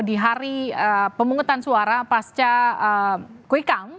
di hari pemungutan suara pasca kuikang